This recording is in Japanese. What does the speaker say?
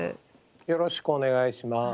よろしくお願いします。